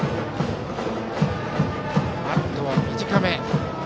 バットは短め。